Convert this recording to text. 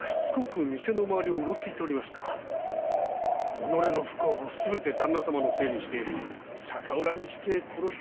己の不幸をすべて旦那様のせいにして逆恨みで殺したのでしょう。